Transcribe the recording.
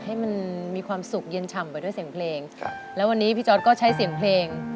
ให้มันมีความสุขเย็นฉ่ำไปด้วยเสียงเพลงครับแล้ววันนี้พี่จอร์ดก็ใช้เสียงเพลง